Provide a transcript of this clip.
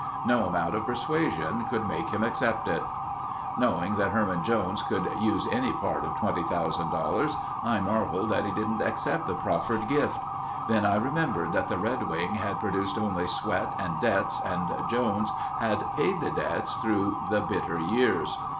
No amount of persuasion could make him accept it. Knowing that Herman Jones could use any part of $20,000, I marvelled that he didn't accept the proffered gift. Then I remembered that the Redwing had produced only sweat and debts and Jones had paid the debts through the bitter years.